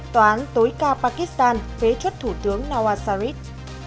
tòa án tối cao pakistan phế truất thủ tướng nawaz sharif